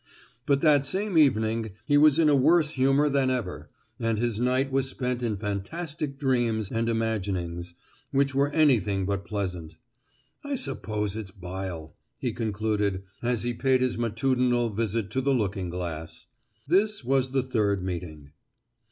But that same evening he was in a worse humour than ever, and his night was spent in fantastic dreams and imaginings, which were anything but pleasant. "I suppose it's bile!" he concluded, as he paid his matutinal visit to the looking glass. This was the third meeting.